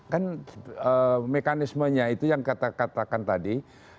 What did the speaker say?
kan mekanismenya itu yang kita katakan tadi